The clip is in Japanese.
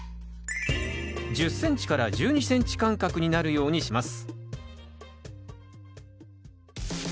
１０ｃｍ１２ｃｍ間隔になるようにします